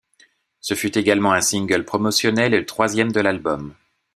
Ce fut également un single promotionnel et le troisième de l'album.